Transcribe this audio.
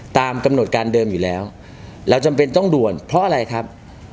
ตามกำหนดการเดิมอยู่แล้วเราจำเป็นต้องด่วนเพราะอะไรครับ